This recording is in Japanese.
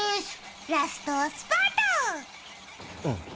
ラストスパート！